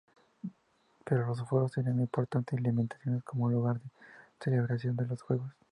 Pero los foros tenían importantes limitaciones como lugar de celebración de los juegos.